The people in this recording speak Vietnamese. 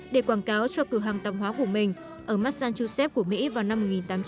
để quảng cáo cho cửa hàng tâm hóa của mình ở massachusetts của mỹ vào năm một nghìn tám trăm chín mươi